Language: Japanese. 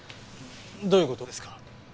どういう事ですか？